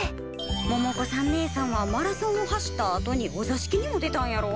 百子さんねえさんはマラソンを走ったあとにお座敷にも出たんやろ？